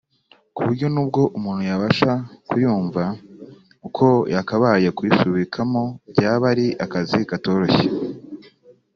kuburyo n’ubwo umuntu yabasha kuyumva uko yakabaye kuyisubiramo byaba ari akazi katoroshye